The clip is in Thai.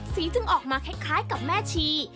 จึงออกมาคล้ายกับแม่ชี